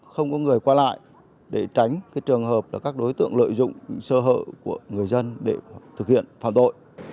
không có người qua lại để tránh trường hợp là các đối tượng lợi dụng sơ hở của người dân để thực hiện phạm tội